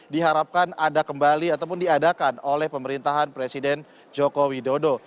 diharapkan ada kembali ataupun diadakan oleh pemerintahan presiden joko widodo